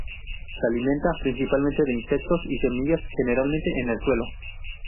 Se alimenta principalmente de insectos y semillas, generalmente en el suelo.